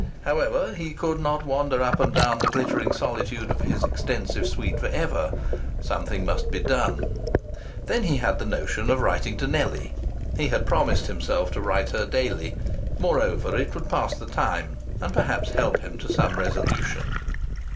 However, he could not wander up and down the glittering solitude of his extensive suite for ever. Something must be done. Then he had the notion of writing to Nellie; he had promised himself to write her daily; moreover, it would pass the time and perhaps help him to some resolution.